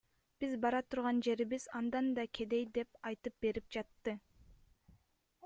Биз бара турган жерибиз андан да кедей деп айтып берип жатты.